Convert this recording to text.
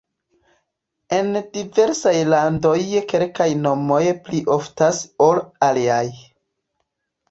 En diversaj landoj kelkaj nomoj pli oftas ol aliaj.